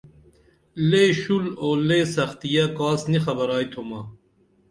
لے شُول اُو لے سختیہ کاس نی خبرائی تُھمہ